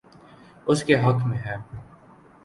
اس کے حق میں ہے۔